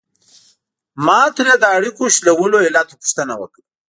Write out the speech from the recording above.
ما ترې د اړیکو شلولو علت پوښتنه وکړه.